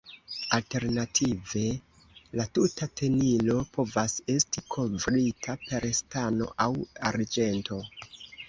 Alternative la tuta tenilo povas estis kovrita per stano aŭ arĝento.